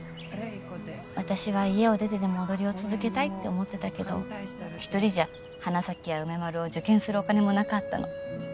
私は家を出てでも踊りを続けたいって思ってたけど一人じゃ花咲や梅丸を受験するお金もなかったの。